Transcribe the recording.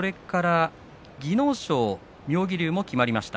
技能賞は妙義龍も決まりました。